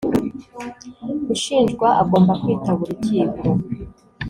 ushinjwa agomba kwitaba urukiko.